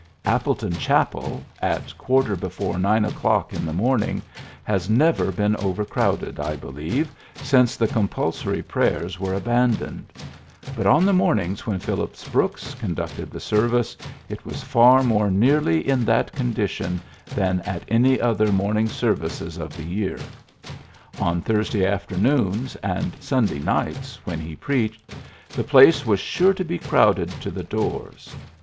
Appleton Chapel, at quarter be fore nine o'clock in the morning, has never been overcrowded, I believe, since the compulsory prayers were aban doned ; but on the mornings when Phil lips Brooks conducted the service it was far more nearly in that condition than at any other morning services of the year. On Thursday afternoons and Sunday nights when he preached, the place WLs sure to be crowded to the doors.